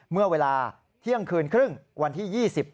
เมื่อเวลาเที่ยงคืนครึ่งวันที่๒๘